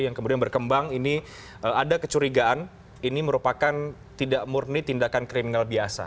yang kemudian berkembang ini ada kecurigaan ini merupakan tidak murni tindakan kriminal biasa